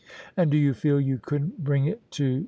" And do you feel you couldn't bring it to S.